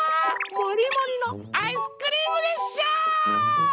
もりもりのアイスクリームでショー！